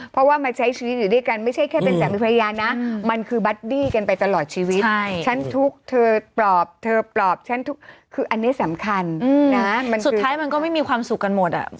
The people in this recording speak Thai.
เพราะว่ามันใช้ชีวิตอยู่ด้วยกัน